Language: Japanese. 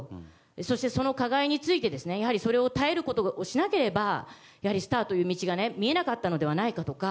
そして、その加害についてそれを耐えることをしなければスターという道が見えなかったのではないかとか